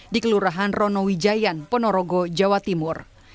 di kelurahan ronowijayan ponorogo jawa timur